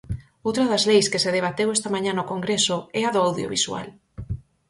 Outra das leis que se debateu esta mañá no congreso é a do audiovisual.